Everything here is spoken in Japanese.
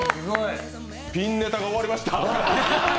ピンネタが終わりました。